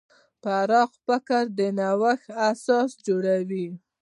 پراخ فکر د نوښت اساس جوړوي.